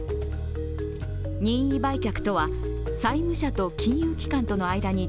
任意売却とは、債務者と金融機関との間に